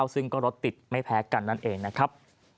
ซึ่งก็รถติดไม่แพ้กันนั่นเองนะครับ